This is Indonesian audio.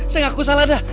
saya ngaku salah dah